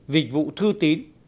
dịch vụ thư tín